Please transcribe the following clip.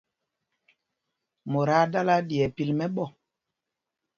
Mot aa dala ɗí ɛ́ pil mɛ̄ɓɔ̄.